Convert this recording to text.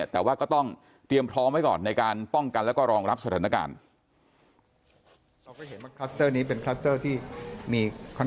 แต่ว่าก็ต้องเตรียมพร้อมไว้ก่อนในการป้องกันแล้วก็รองรับสถานการณ์